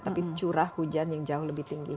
tapi curah hujan yang jauh lebih tinggi